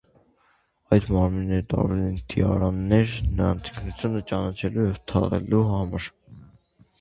Այդ մարմինները տարվել են դիարաններ՝ նրանց ինքնությունը ճանաչելու և թաղելու համար։